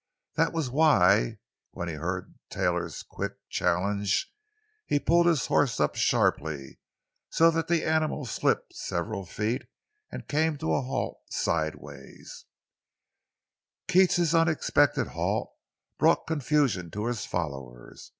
That was why, when he heard Taylor's quick challenge, he pulled his horse up sharply, so that the animal slipped several feet and came to a halt sidewise. Keats's unexpected halt brought confusion to his followers.